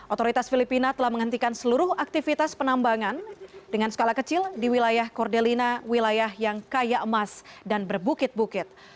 otoritas filipina telah menghentikan seluruh aktivitas penambangan dengan skala kecil di wilayah cordelina wilayah yang kaya emas dan berbukit bukit